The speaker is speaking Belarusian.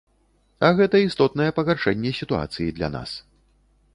А гэта істотнае пагаршэнне сітуацыі для нас.